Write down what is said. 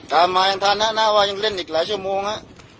ตามมายังฐานะหน้าว่ายังเล่นอีกหลายชั่วโมงฮะ